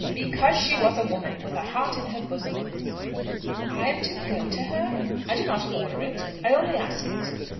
"Because she was a woman, with a heart in her bosom." "I am to go to her?" "I do not order it. I only ask it."